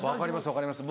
分かります。